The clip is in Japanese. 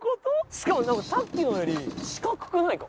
しかも何かさっきのより四角くないか？